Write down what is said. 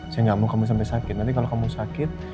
sehingga mau kamu sampai sakit nanti kalau kamu sakit